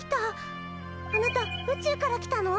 あなた宇宙から来たの？